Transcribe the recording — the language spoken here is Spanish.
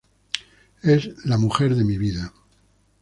Es la Mujer de mi vida.